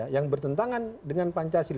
yang bertentangan dengan pancasila